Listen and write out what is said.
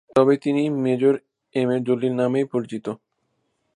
তবে তিনি major M A Jalil নামেই পরিচিত।